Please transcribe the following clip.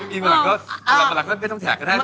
ไม่มีมาหลังก็มาหลังก็ไม่ต้องแถกกระแทน